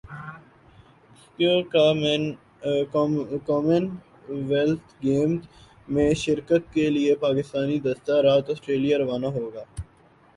اکیسویں Commonwealth Games میں شرکت کے لئے پاکستانی دستہ رات سٹریلیا روانہ ہو گا